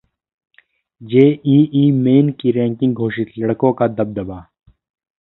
JEE main की ranking घोषित, लड़कों का दबदबा